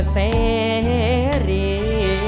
เสรียงไม่รู้สึก